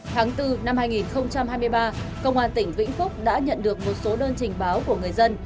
tháng bốn năm hai nghìn hai mươi ba công an tỉnh vĩnh phúc đã nhận được một số đơn trình báo của người dân